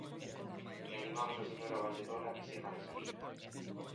E animamos a señora valedora a que siga nesa liña.